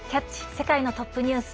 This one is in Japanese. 世界のトップニュース」。